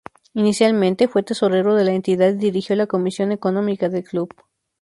Inicialmente, fue tesorero de la entidad y dirigió la comisión económica del club.